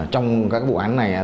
trong các vụ án này